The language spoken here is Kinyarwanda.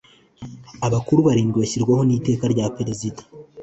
Abakuru barindwi bashyirwaho n’Iteka rya Perezida